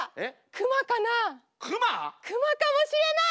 熊かもしれない。